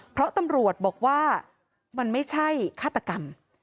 เพราะตำรวจบอกว่ามันไม่ใช่ฆาตกรรม